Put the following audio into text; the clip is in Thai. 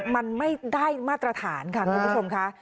มันไม่ได้มาตรฐานค่ะคุณผู้ชมค่ะ